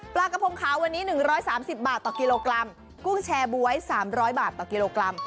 ปลากระพงขาววันนี้๑๓๐บาทต่อกิโลกรัมกุ้งแชร์บ๊วย๓๐๐บาทต่อกิโลกรัม